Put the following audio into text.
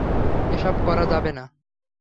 এসব করা যাবে না।